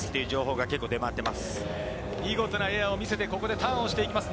見事なエアを見せて、ここでターンをします。